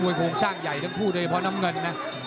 บาร์ะโลห์ใหญ่มีโค้งสร้างของเขา